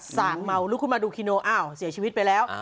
สาดเมาลุกขึ้นมาดูคีโนอ้าวเสียชีวิตไปแล้ว